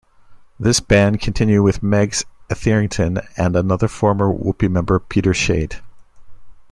This band continue with Megs Etherington and another former Whoopee member, Peter Shade.